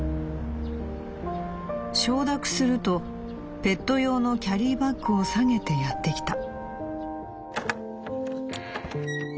「承諾するとペット用のキャリーバッグを提げてやってきた」。